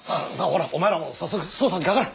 ほらお前らも早速捜査にかかれ。